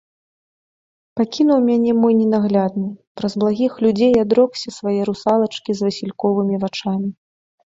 Пакінуў мяне мой ненаглядны, праз благіх людзей адрокся свае русалачкі з васільковымі вачамі.